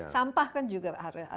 sampah kan juga ada